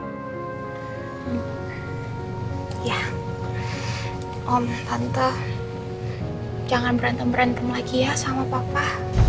ya om tante jangan berantem berantem lagi ya sama papa